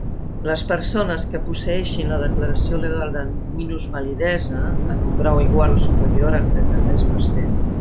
Les persones que posseeixin la declaració legal de minusvalidesa en un grau igual o superior al trenta-tres per cent.